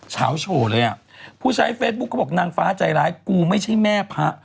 เช้าโชว์เลยอ่ะผู้ใช้เฟซบุ๊คเขาบอกนางฟ้าใจร้ายกูไม่ใช่แม่พระ